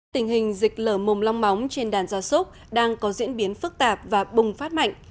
tình hình dịch lở mồm long móng trên đàn gia súc đang có diễn biến phức tạp và bùng phát mạnh